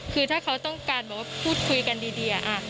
คือถ้าเขาต้องการพูดคุยกันดีอ่ะ